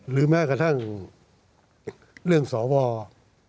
หรือแม้กระทั่งเรื่องสหว่า